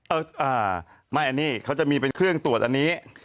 อ่าไม่อันนี้เขาจะมีเป็นเครื่องตรวจอันนี้